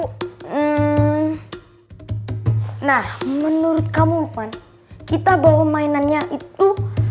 hmm nah menurut kamu van kita bawa mainannya itu